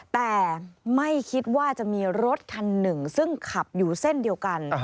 แต่ไม่คิดว่าจะมีรถคันหนึ่งซึ่งขับอยู่เส้นเดียวกัน